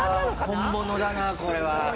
本物だなこれは。